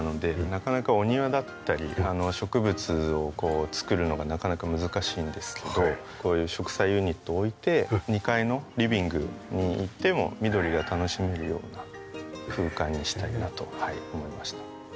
なかなかお庭だったり植物を作るのがなかなか難しいんですけどこういう植栽ユニットを置いて２階のリビングに行っても緑が楽しめるような空間にしたいなと思いました。